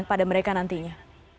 kepada mereka nantinya